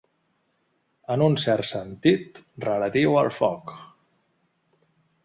En un cert sentit, relatiu al foc.